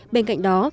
bên cạnh đó